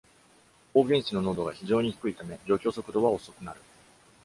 O 原子の濃度が非常に低いため、除去速度は遅くなる。